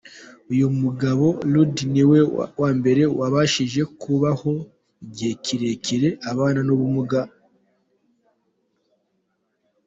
Uyu mugabo Rudy niwe wambere wabashije kubaho igihe kirekire abana n’ubu bumuga.